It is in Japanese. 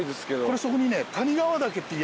これそこにね。